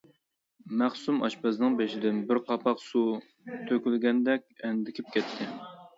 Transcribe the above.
مەخسۇم ئاشپەزنىڭ بېشىدىن بىر قاپاق سۇ تۆكۈلگەندەك ئەندىكىپ كەتتى.